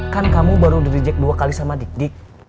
kan kamu baru di reject dua kali sama dik dik